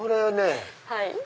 はい。